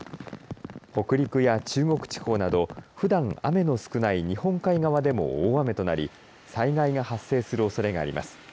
北陸や中国地方などふだん雨の少ない日本海側でも大雨となり災害が発生するおそれがあります。